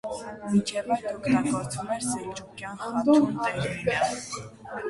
Մինչև այդ օգտագործվում էր սելջուկյան խաթուն տերմինը։